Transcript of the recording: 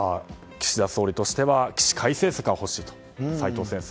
岸田総理としては起死回生策が欲しいと。